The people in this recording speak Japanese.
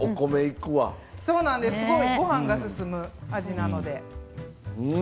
ごはんが進む味なので。